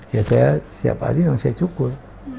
ya saya siap siap aja memang saya cukur